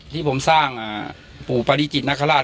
ที่ผมสร้างปู่ปริจิตนคราช